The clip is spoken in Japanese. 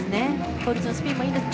倒立のスピンもいいです。